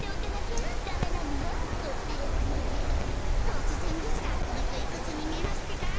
とつぜんですがこのひといくつにみえますってか？